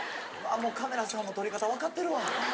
もうカメラさんも撮り方わかってるわ。